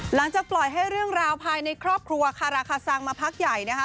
หลังจากปล่อยให้เรื่องราวภายในครอบครัวคาราคาซังมาพักใหญ่นะคะ